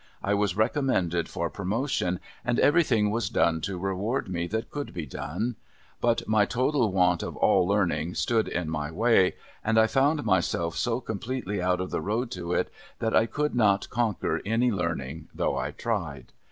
I was recommended for pro motion, and everything was done to reward me that could be done ; but my total want of all learning stood in my way, and I found myself so completely out of the road to it, that I could not conquer any learning, though I tried.